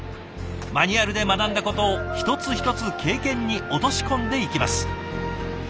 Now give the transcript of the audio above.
マニュアルで学んだことを一つ一つ経験に落とし込んでいきます。